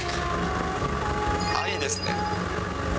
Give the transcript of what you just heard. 愛ですね。